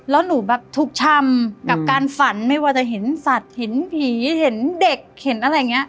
แล้วหนูแบบทุกช่ำกับการฝันไม่ว่าจะเห็นสัตว์เห็นผีเห็นเด็กเห็นอะไรอย่างนี้